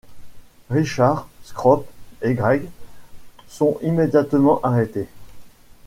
Richard, Scrope, et Grey sont immédiatement arrêtés.